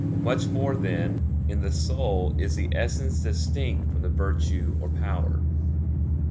Much more, then, in the soul is the essence distinct from the virtue or power.